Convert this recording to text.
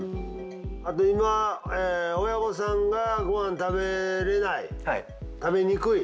あと今親御さんがご飯食べれない食べにくい。